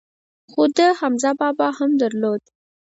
خو ده حمزه بابا هم درلود.